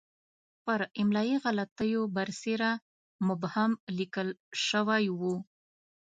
پر املایي غلطیو برسېره مبهم لیکل شوی وو.